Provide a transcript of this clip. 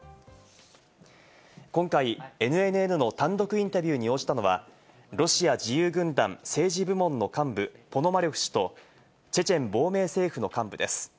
今回、ＮＮＮの単独インタビューに応じたのは、ロシア自由軍団政治部門の幹部・ポノマリョフ氏とチェチェン亡命政府の幹部です。